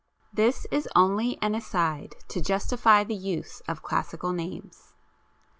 This is only an aside to justify the use of classical names.